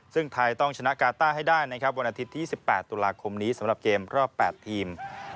ซึ่งไทยต้องชนะกาต้าให้ได้นะครับวันอาทิตย์ที่๒๘ตุลาคมนี้สำหรับเกมรอบ๘ทีม